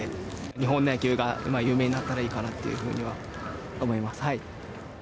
日本の野球が有名になったらいいかなっていうふうには思います。